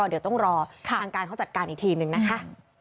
เดี๋ยวต้องรอทางการเขาจัดการอีกทีนึงนะคะ